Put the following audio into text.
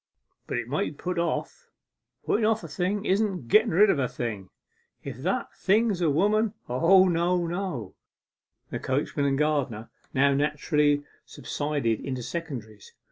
But it might be put off; putten off a thing isn't getten rid of a thing, if that thing is a woman. O no, no!' The coachman and gardener now naturally subsided into secondaries.